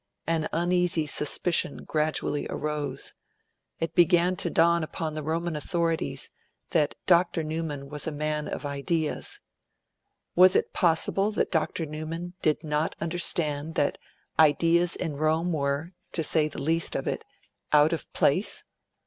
An uneasy suspicion gradually arose; it began to dawn upon the Roman authorities that Dr. Newman was a man of ideas. Was it possible that Dr. Newman did not understand that ideas in Rome were, to say the least of it, out of place?